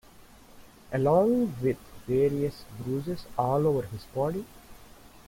Along with various bruises all over his body.